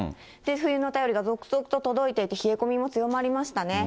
冬の便りが続々と届いていて、冷え込みも強まりましたね。